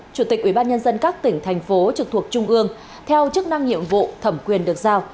chủ tịch ubnd các tỉnh thành phố trực thuộc trung ương theo chức năng nhiệm vụ thẩm quyền được giao